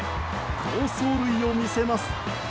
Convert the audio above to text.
好走塁を見せます。